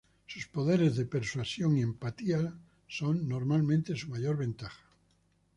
Sus poderes de persuasión y empatía son normalmente su mayor ventaja.